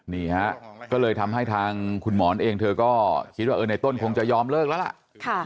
นี่ฮะก็เลยทำให้ทางคุณหมอนเองเธอก็คิดว่าในต้นคงจะยอมเลิกแล้วล่ะ